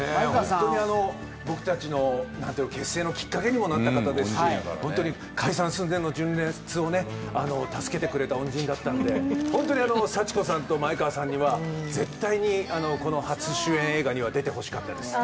僕たちの結成のきっかけにもなった方ですし、本当に解散寸前の純烈を助けてくれた恩人だったので、本当に幸子さんと前川さんには絶対に、この初主演映画には出てほしかったです。